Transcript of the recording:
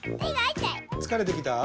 つかれてきた？